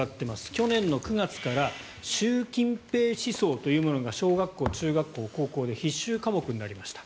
去年の９月から習近平思想というものが小学校、中学校、高校で必修科目になりました。